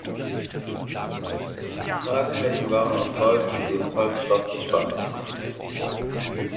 Die Tragflächen waren aus Holz und ebenfalls stoffbespannt.